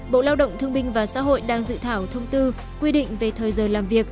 bộ lao động thương minh và xã hội đang dự thảo thông tư quy định về thời giờ làm việc